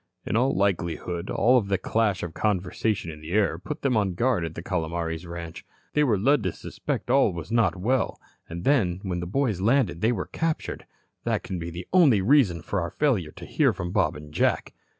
"In all likelihood all that clash of conversation in the air put them on guard at the Calomares ranch. They were led to suspect all was not well. And then when the boys landed they were captured. That can be the only reason for our failure to hear from Bob and Jack."